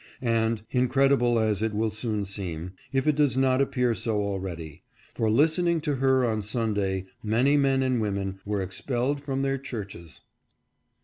And, incredible as it will soon seem, if it does not appear so already, " for listening to her on Sunday many men and women were expelled from their churches."